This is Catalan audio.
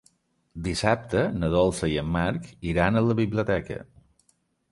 Dissabte na Dolça i en Marc iran a la biblioteca.